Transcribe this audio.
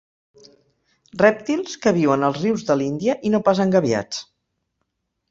Rèptils que viuen als rius de l'Índia, i no pas engabiats.